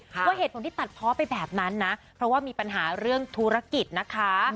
ว่าเหตุผลที่ตัดเพาะไปแบบนั้นนะเพราะว่ามีปัญหาเรื่องธุรกิจนะคะ